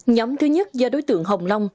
nhóm thứ nhất do đối tượng hồng long